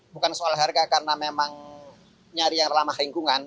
bukan soal harga karena memang nyari yang ramah lingkungan